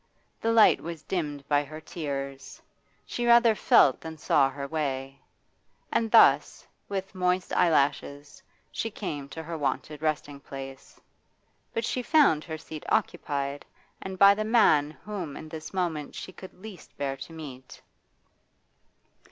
The light was dimmed by her tears; she rather felt than saw her way. And thus, with moist eyelashes, she came to her wonted resting place. But she found her seat occupied, and by the man whom in this moment she could least bear to meet.